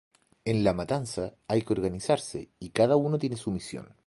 En la matanza, hay que organizarse, y cada uno tiene su misión.